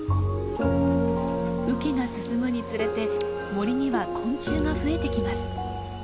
雨季が進むにつれて森には昆虫が増えてきます。